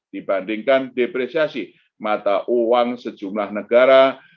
dibandingkan depresiasi mata uang sejumlah negara